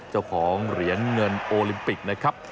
เจ้าของเหรียญเงินโอลิมปิกนะครับ